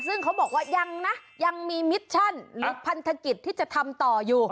ซึ่งเขาบอกว่ายังนะยังมีมิชชั่นหรือพันธกิจที่จะทำต่ออยู่